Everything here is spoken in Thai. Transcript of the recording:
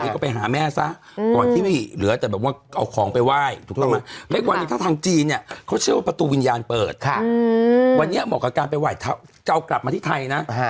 เขาเชื่อว่าประตูวิญญาณเปิดวันนี้เหมาะกับการไปไหว้ทาเวสที่ทัย